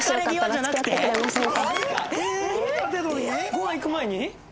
ご飯行く前に？